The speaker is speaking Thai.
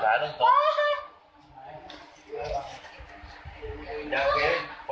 อ้าว